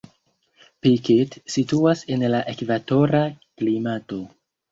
Pikit situas en la ekvatora klimato.